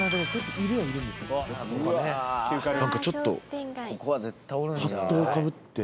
何かちょっと。